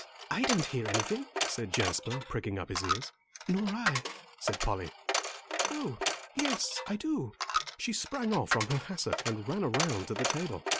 I don't hear anything," said Jasper, pricking up his ears. "Nor I," said Polly. "Oh, yes, I do." She sprang off from her hassock and ran around to the table.